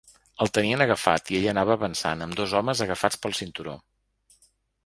El tenien agafat i ell anava avançant, amb dos homes agafats pel cinturó.